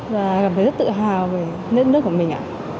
và cảm thấy rất tự hào về nước của mình